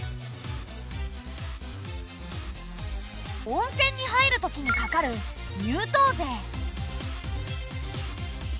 温泉に入るときにかかる入湯税。